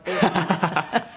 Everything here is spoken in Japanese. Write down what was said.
ハハハハ。